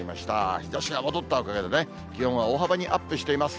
日ざしが戻ったおかげでね、気温は大幅にアップしています。